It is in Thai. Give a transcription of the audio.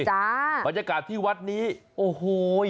บรรยากาศที่วัดนี้โอ้โห